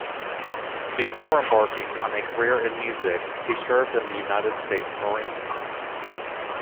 Before embarking on a career in music, he served in the United States Marines.